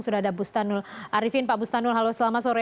sudah ada bustanul arifin pak bustanul halo selamat sore